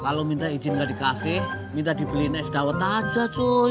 kalo minta izin ga dikasih minta dibeliin es dawet aja cuy